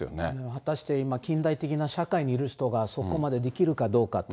果たして今、近代的な社会にいる人が、そこまでできるかどうかと。